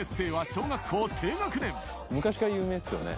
昔から有名ですよね。